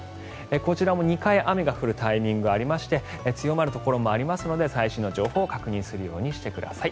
こちらも２回雨が降るタイミングがありまして強まるところもありますので最新の情報を確認するようにしてください。